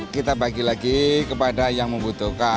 kita bagi lagi kepada yang membutuhkan